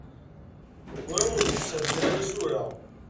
Ur awent-d-sɛeddayeɣ isura.